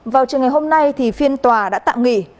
vào trường ngày hôm nay thì phiên tòa đã tạm nghỉ